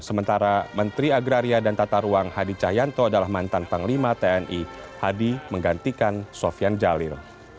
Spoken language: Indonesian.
sementara menteri agraria dan tata ruang hadi cahyanto adalah mantan panglima tni hadi menggantikan sofian jalil